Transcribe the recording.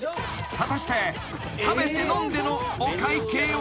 ［果たして食べて飲んでのお会計は］